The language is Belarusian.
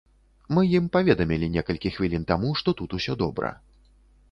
Мы ім паведамілі некалькі хвілін таму, што тут усё добра.